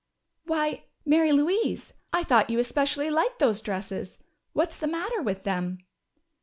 "Why, Mary Louise! I thought you especially liked those dresses. What's the matter with them?"